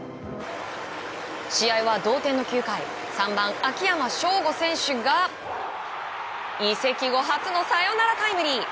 試合は同点の９回３番、秋山翔吾選手が移籍後初のサヨナラタイムリー。